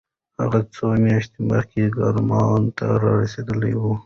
هغه څو میاشتې مخکې کرمان ته رسېدلی و.